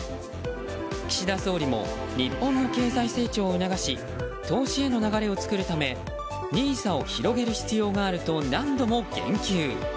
岸田総理も日本の経済成長を促し投資への流れを作るためＮＩＳＡを広げる必要があると何度も言及。